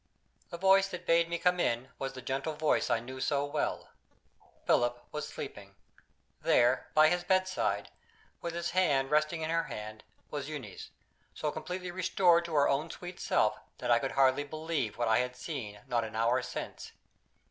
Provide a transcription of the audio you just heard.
The voice that bade me come in was the gentle voice that I knew so well. Philip was sleeping. There, by his bedside, with his hand resting in her hand, was Euneece, so completely restored to her own sweet self that I could hardly believe what I had seen, not an hour since.